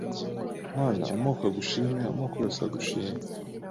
Mana amoko agushime Amoko yose agushime